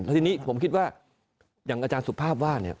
ทีนี้ผมคิดว่าอย่างอาจารย์สุภาพว่าเนี่ย